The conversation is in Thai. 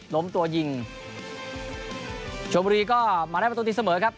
ล้มตัวยิงชมบุรีก็มาได้ประตูตีเสมอครับ